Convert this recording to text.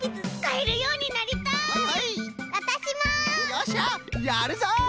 よっしゃやるぞ！